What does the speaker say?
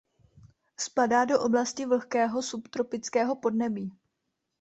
Spadá do oblasti vlhkého subtropického podnebí.